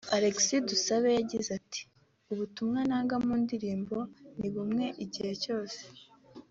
Alexis Dusabe yagize ati’’ Ubutumwa ntanga mu ndirimbo ni bumwe igihe cyose